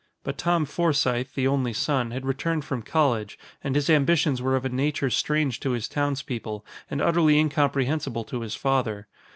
But Tom Forsythe, the only son, had returned from college and his ambitions were of a nature strange to his townspeople and utterly incomprehensible to his father.